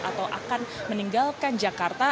atau akan meninggalkan jakarta